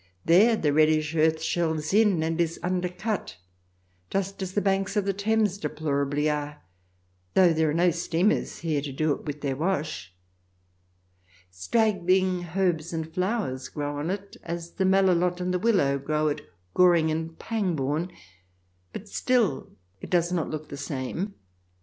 There the reddish earth shelves in and is un(dercut, just as the banks of the Thames deplorably are, though there are no steamers here to do it with their wash. Straggling herbs and flowers grow on it, as the melilot and willow grow at Goring or 304 THE DESIRABLE ALIEN [ch. xxi Pangbourne, but still it does not look the same.